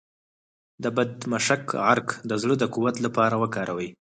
د بیدمشک عرق د زړه د قوت لپاره وکاروئ